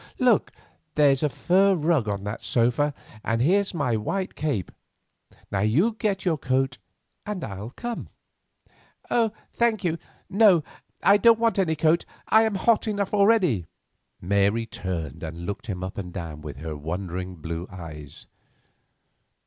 Look, there's a fur rug on that sofa, and here's my white cape; now you get your coat, and I'll come." "Thank you, no; I don't want any coat; I am hot enough already." Mary turned and looked him up and down with her wondering blue eyes.